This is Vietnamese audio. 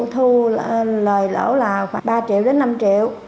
thu lời lỗ là khoảng ba triệu đến năm triệu